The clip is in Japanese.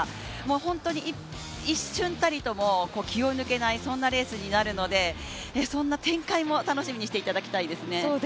本当に一瞬たりとも気を抜けない、そんなレースになるのでそんな展開も楽しみにしていただきたいです。